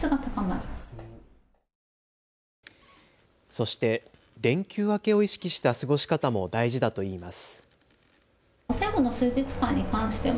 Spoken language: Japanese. そして連休明けを意識した過ごし方も大事だといいます。